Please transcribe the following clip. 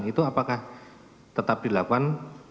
itu apakah tetap dilakukan